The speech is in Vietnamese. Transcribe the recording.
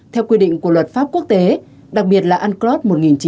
theo quy định của luật pháp quốc tế đặc biệt là unclos một nghìn chín trăm tám mươi hai